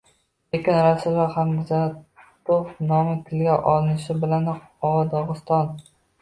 Lekin Rasul Hamzatov nomi tilga olinishi bilanoq, O, Dogʻiston